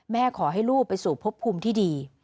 แม่ขอให้ลูกไปสู่ภพคุมที่ดี